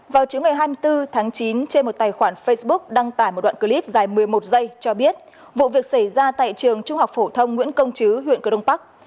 vào chữ ngày hai mươi bốn tháng chín trên một tài khoản facebook đăng tải một đoạn clip dài một mươi một giây cho biết vụ việc xảy ra tại trường trung học phổ thông nguyễn công chứ huyện cơ đông bắc